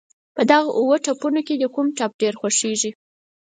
په دغه اووه ټپونو کې دې کوم ټپ ډېر خوږېږي.